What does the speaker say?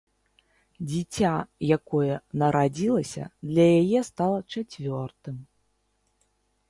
Дзіця, якое нарадзілася, для яе стала чацвёртым.